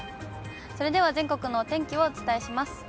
それでは全国のお天気をお伝えします。